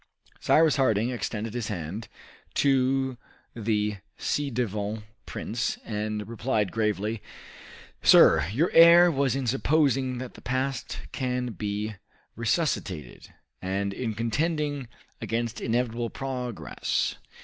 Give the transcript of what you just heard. Cyrus Harding extended his hand to the ci devant prince and replied gravely, "Sir, your error was in supposing that the past can be resuscitated, and in contending against inevitable progress.